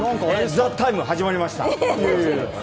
「ＴＨＥＴＩＭＥ，」始まりました。